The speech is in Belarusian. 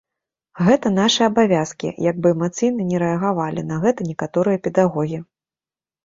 Гэта нашы абавязкі, як бы эмацыйна ні рэагавалі на гэта некаторыя педагогі.